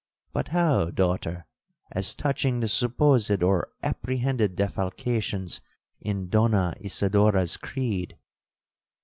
But how, daughter, as touching the supposed or apprehended defalcations in Donna Isidora's creed?'